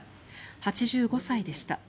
８５歳でした。